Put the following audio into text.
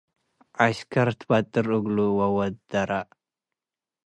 ዐሽከር ትበጥር እግሉ ወወደራእ